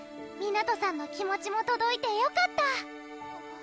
湊さんの気持ちもとどいてよかった！